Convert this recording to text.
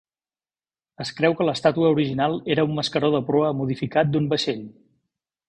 Es creu que l'estàtua original era un mascaró de proa modificat d'un vaixell.